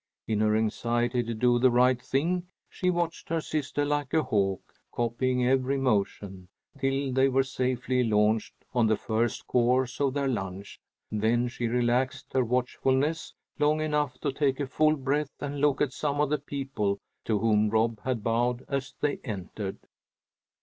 In her anxiety to do the right thing she watched her sister like a hawk, copying every motion, till they were safely launched on the first course of their lunch. Then she relaxed her watchfulness long enough to take a full breath and look at some of the people to whom Rob had bowed as they entered.